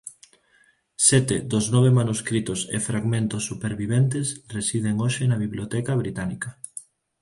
Sete dos nove manuscritos e fragmentos superviventes residen hoxe na Biblioteca Británica.